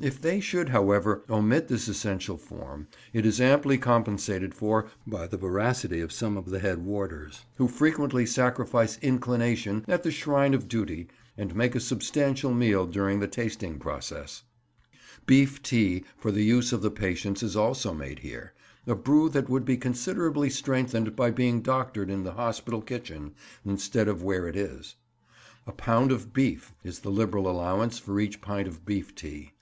If they should, however, omit this essential form, it is amply compensated for by the voracity of some of the head warders, who frequently sacrifice inclination at the shrine of duty and make a substantial meal during the tasting process. Beef tea for the use of the patients is also made here—a brew that would be considerably strengthened by being doctored in the hospital kitchen instead of where it is. A pound of beef is the liberal allowance for each pint of beef tea.